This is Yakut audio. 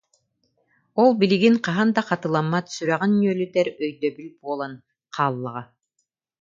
Ол билигин хаһан да хатыламмат сүрэҕин ньүөлүтэр өйдөбүл буолан хааллаҕа